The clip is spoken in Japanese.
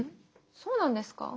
そうなんですか？